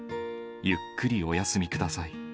ゆっくりお休みください。